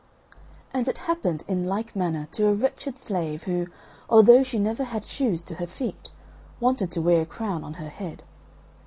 And it happened in like manner to a wretched slave, who, although she never had shoes to her feet, wanted to wear a crown on her head.